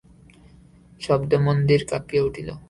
শব্দে মন্দির কাঁপিয়া উঠিল।